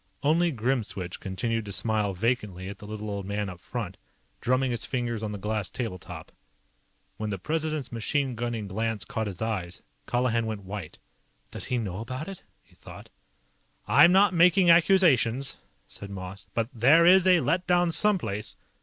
Only Grimswitch continued to smile vacantly at the little old man up front, drumming his fingers on the glass table top. When the President's machine gunning glance caught his eyes, Colihan went white. Does he know about it? he thought. "I'm not making accusations," said Moss. "But there is a let down someplace.